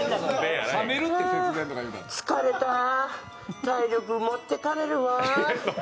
疲れた、体力持ってかれるわ。